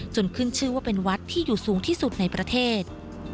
ขึ้นชื่อว่าเป็นวัดที่อยู่สูงที่สุดในประเทศ